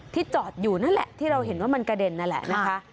จอดอยู่นั่นแหละที่เราเห็นว่ามันกระเด็นนั่นแหละนะคะ